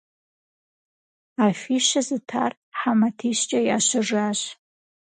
Афищэ зытар хьэ матищкӀэ ящэжащ.